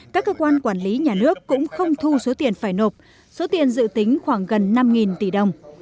các cơ quan quản lý nhà nước cũng không thu số tiền phải nộp số tiền dự tính khoảng gần năm tỷ đồng